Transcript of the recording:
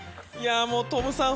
トムさん